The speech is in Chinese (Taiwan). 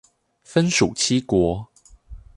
分屬七國